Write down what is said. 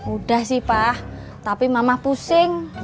udah sih pak tapi mama pusing